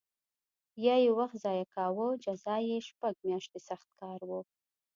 یا یې وخت ضایع کاوه جزا یې شپږ میاشتې سخت کار و